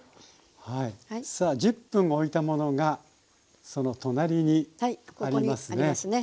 さあ１０分おいたものがその隣にありますね。